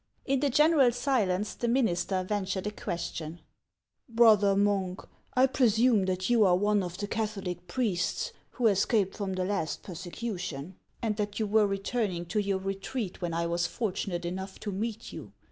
In the general silence the minister ventured a question :" Brother monk, I presume that you are one of the Catholic priests who escaped from the last persecution, and that you were returning to your retreat when I was fortunate enough to meet you.